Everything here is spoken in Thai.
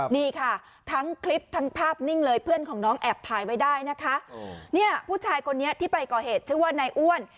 นี่ค่ะทั้งคลิปทั้งภาพนิ่งเลยเพื่อนของน้องแอบถ่ายไว้ได้นะคะเนี่ยผู้ชายคนนี้ที่ไปก่อเหตุชื่อว่านายอ้วน